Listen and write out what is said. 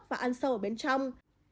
và ăn sâu ở bên trong